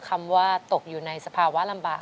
คำว่าตกอยู่ในสภาวะลำบาก